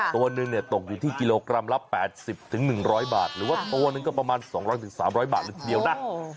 ตัวนึงเนี่ยตกอยู่ที่กิโลกรัมละ๘๐๑๐๐บาทหรือว่าตัวหนึ่งก็ประมาณ๒๐๐๓๐๐บาทเลยทีเดียวนะ